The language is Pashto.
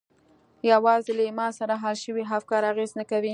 یوازې له ایمان سره حل شوي افکار اغېز نه کوي